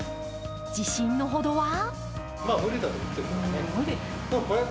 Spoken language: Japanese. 自信のほどは？